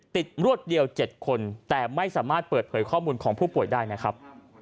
รวดเดียว๗คนแต่ไม่สามารถเปิดเผยข้อมูลของผู้ป่วยได้นะครับ